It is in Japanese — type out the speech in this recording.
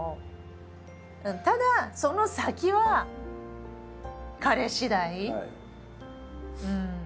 ただその先は彼しだい。